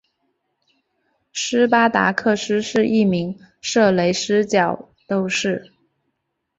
斯巴达克斯是一名色雷斯角斗士。